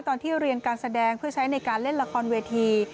ตอนที่เรียนการแสดงเพื่อใช้ในการเล่นละครเวที